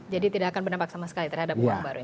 jadi tidak akan berdampak sama sekali terhadap uang baru ini